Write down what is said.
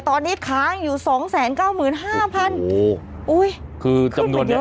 ตอนนี้ค้างอยู่สองแสนเก้าหมื่นห้าพันโอ้โหอุ้ยคือจำนวนเนี้ย